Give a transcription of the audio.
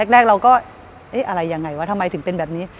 แรกเราก็เอ๊ะอะไรยังไงวะทำไมถึงเป็นแบบนี้